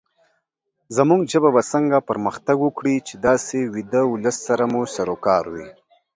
زمونږ ژبه به څنګه پرمختګ وکړې، چې داسې ويده ولس سره مو سروکار وي